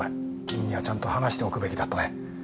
君にはちゃんと話しておくべきだったね。